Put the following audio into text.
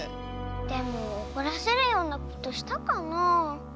でもおこらせるようなことしたかなあ。